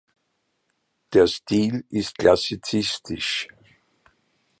Der Stil ist klassizistisch.